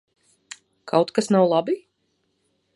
Kaut kas nav labi?